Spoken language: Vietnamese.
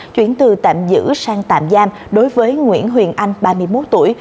chuyển từ tạm giữ sang tạm giam đối với nguyễn huyền anh ba mươi một tuổi